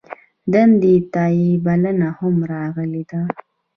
دندې ته یې بلنه هم راغلې ده.